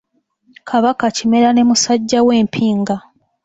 Kabaka Kimera ne musajja we Mpinga.